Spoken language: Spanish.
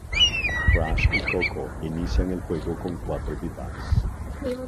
Crash y Coco inician el juego con cuatro vidas.